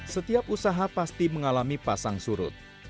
setiap usaha pasti mengalami pasang surut